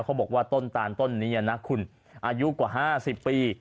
บอกว่าต้นตาลต้นนี้นะคุณอายุกว่า๕๐ปี